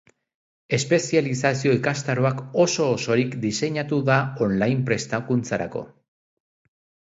Espezializazio-ikastaroa oso-osorik diseinatu da online prestakuntzarako.